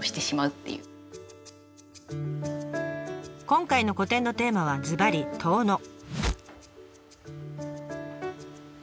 今回の個展のテーマはずばり「遠野」。